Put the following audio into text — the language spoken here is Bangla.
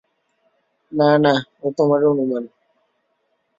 না না, ও তোমার অনুমান।